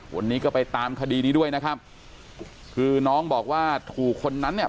วันนี้ก็ไปตามคดีนี้ด้วยนะครับคือน้องบอกว่าถูกคนนั้นเนี่ย